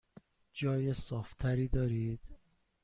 جای صاف تری دارید؟